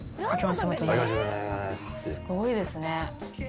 すごいですね。